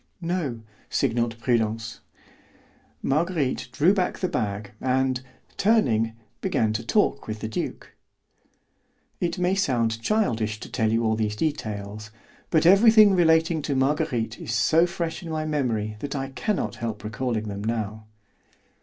"No," signalled Prudence. Marguerite drew back the bag, and, turning, began to talk with the duke. It may sound childish to tell you all these details, but everything relating to Marguerite is so fresh in my memory that I can not help recalling them now.